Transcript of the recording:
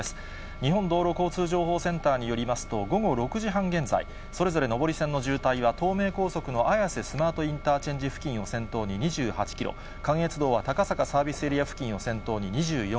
日本道路交通情報センターによりますと、午後６時半現在、それぞれ上り線の渋滞は、東名高速の綾瀬スマートインターチェンジ付近を先頭に２８キロ、いうことです。